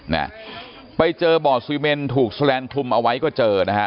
น่ะไปเจอบ่อซีเมนถูกแสลนดคลุมเอาไว้ก็เจอนะฮะ